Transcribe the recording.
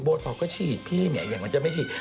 บีลท็อกก็ฉีดพี่มันจะไม่ฉีด